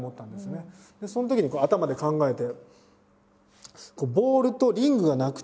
そのときに頭で考えて。